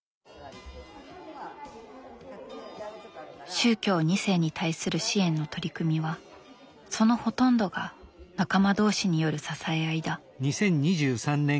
宗教２世に対する支援の取り組みはそのほとんどが仲間同士による支え合いだ。